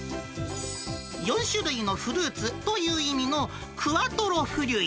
４種類のフルーツという意味のクワトロフリュイ。